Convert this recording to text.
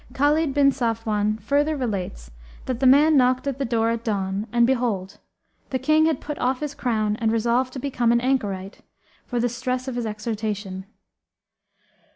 Khalid bin Safwan further relates that the man knocked at the door at dawn and behold, the King had put off his crown and resolved to become an anchorite, for the stress of his exhortation.